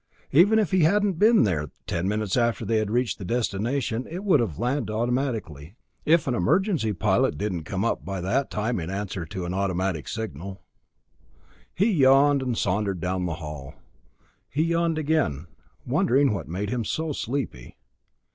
Even if he hadn't been there, ten minutes after they had reached destination, it would land automatically if an emergency pilot didn't come up by that time in answer to an automatic signal. He yawned and sauntered down the hall. He yawned again, wondering what made him so sleepy.